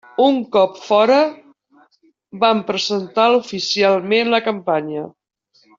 Un cop fora, van presentar oficialment la campanya.